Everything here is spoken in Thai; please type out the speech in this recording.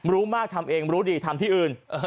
รู้มากทำเองรู้ดีทำที่อื่น